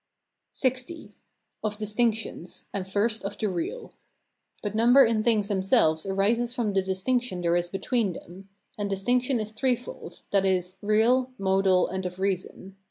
LX. Of distinctions; and first of the real. But number in things themselves arises from the distinction there is between them: and distinction is threefold, viz., real, modal, and of reason.